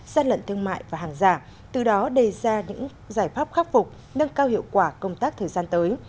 gian lận thương mại và hàng giả từ đó đề ra những giải pháp khắc phục nâng cao hiệu quả công tác thời gian tới